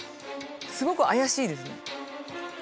すごく怪しいですね。